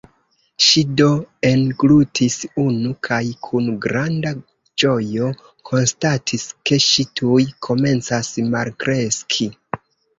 Ŝi do englutis unu, kaj kun granda ĝojo konstatis ke ŝi tuj komencas malkreski.